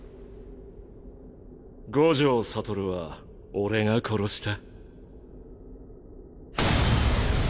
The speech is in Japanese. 五条悟は俺が殺した。